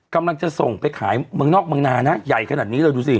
กำลังจะส่งไปขายเมืองนอกเมืองนานะใหญ่ขนาดนี้เลยดูสิ